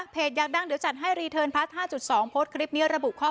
พวกนู้นได้กันวันละ๖๐๐๗๐๐จะเอาไหนไปจ่ายให้เขา